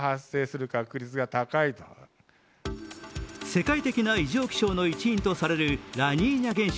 世界的な異常気象の一因とされるラニーニャ現象。